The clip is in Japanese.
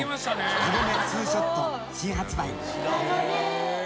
カゴメツーショット新発売。